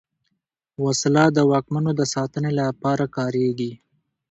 وسله د واکمنو د ساتنې لپاره کارېږي